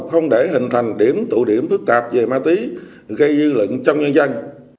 không để hình thành điểm tụ điểm phức tạp về ma túy gây dư luận trong nhân dân